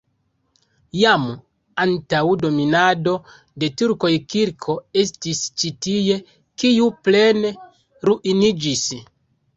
Jam antaŭ dominado de turkoj kirko estis ĉi tie, kiu plene ruiniĝis.